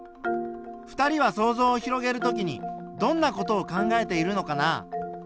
２人は想像を広げる時にどんな事を考えているのかな？